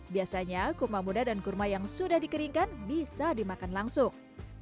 biasanya kurma muda dan kurma yang sudah dikeringkan bisa dimakan langsung